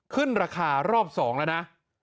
ขึ้นราคารอบ๒แล้วนะ